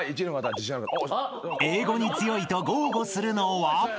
［英語に強いと豪語するのは？］